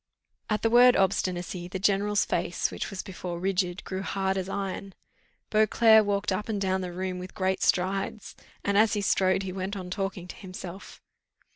At the word obstinacy, the general's face, which was before rigid, grew hard as iron. Beauclerc walked up and down the room with great strides, and as he strode he went on talking to himself.